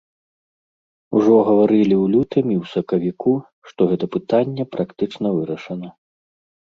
Ужо гаварылі ў лютым і ў сакавіку, што гэта пытанне практычна вырашана.